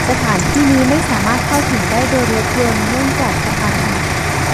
สถานที่นี้ไม่สามารถเข้าถึงได้โดยรถยนต์เนื่องจากสะพานหัก